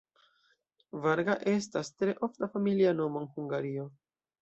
Varga estas tre ofta familia nomo en Hungario.